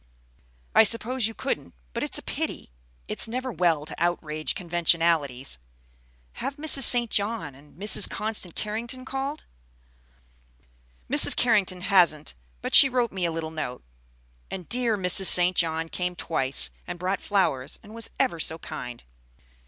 "I suppose you couldn't; but it's a pity. It's never well to outrage conventionalities. Have Mrs. St. John and Mrs. Constant Carrington called?" "Mrs. Carrington hasn't, but she wrote me a little note. And dear Mrs. St. John came twice, and brought flowers, and was ever so kind.